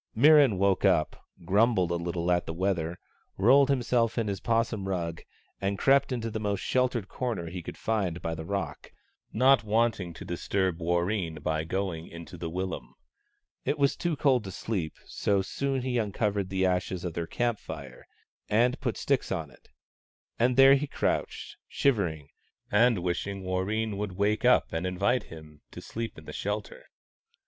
Mirran woke up, grumbled a little at the weather, rolled himself in his 'possum rug and crept into the most sheltered corner he could find by the rock, not liking to disturb Warreen by going into the willum. It was too cold to sleep, so he soon uncovered the ashes of their camp fire, and put sticks on it ; and there he crouched, shivering, and wishing Warreen would wake up and invite him to sleep in the shelter.